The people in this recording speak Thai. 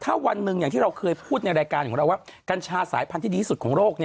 ถ้าวันหนึ่งอย่างที่เราเคยพูดในรายการของเราว่ากัญชาสายพันธุ์ที่ดีที่สุดของโลก